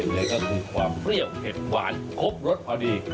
แล้วก็มีความเปรี้ยวเผ็ดหวานครบรสพอดี